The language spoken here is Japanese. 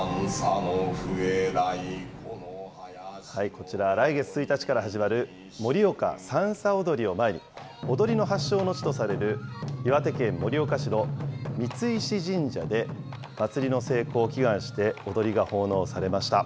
こちら、来月１日から始まる盛岡さんさ踊りを前に、踊りの発祥の地とされる、岩手県盛岡市の三ツ石神社で、祭りの成功を祈願して踊りが奉納されました。